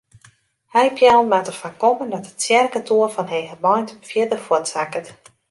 Heipeallen moatte foarkomme dat de tsjerketoer fan Hegebeintum fierder fuortsakket.